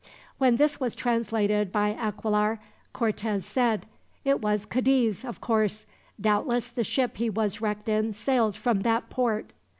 When this was translated by Aquilar, Cortez said: "It was Cadiz, of course. Doubtless the ship he was wrecked in sailed from that port."